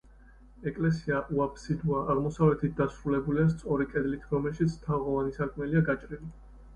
ეკლესია უაფსიდოა, აღმოსავლეთით დასრულებულია სწორი კედლით, რომელშიც თაღოვანი სარკმელია გაჭრილი.